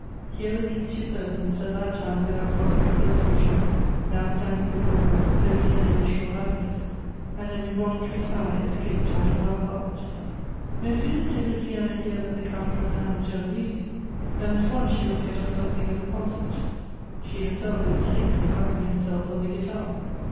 Here were these two persons, at that time without prospect for the future, now standing Elective Affinities. 193 before her, so near their wished for happiness, and an involuntary sigh escaped out of her heart. No sooner did Luciana hear that the Count was an amateur of music, than at once she must get up something of a concert. She herself would sing and accompany herself on the guitar.